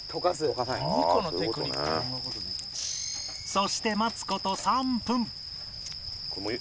そして待つ事３分